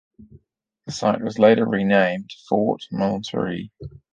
The site was later renamed Fort Moultrie.